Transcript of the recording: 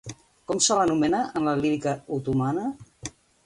Com se l'anomena en la lírica otomana?